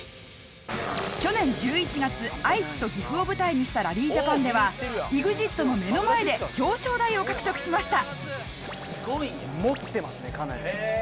去年１１月愛知と岐阜を舞台にしたラリージャパンではＥＸＩＴの目の前で表彰台を獲得しました。